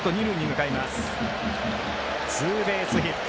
ツーベースヒット。